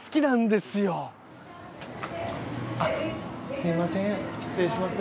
すみません失礼します。